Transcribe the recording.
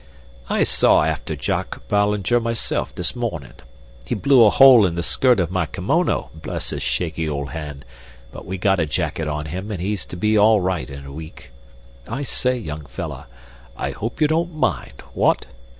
"I saw after Jack Ballinger myself this mornin'. He blew a hole in the skirt of my kimono, bless his shaky old hand, but we got a jacket on him, and he's to be all right in a week. I say, young fellah, I hope you don't mind what?